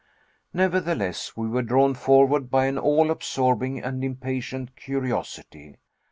Nevertheless, we were drawn forward by an all absorbing and impatient curiosity.